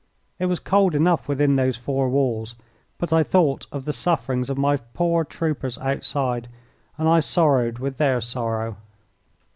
It was cold enough within those four walls, but I thought of the sufferings of my poor troopers outside, and I sorrowed with their sorrow.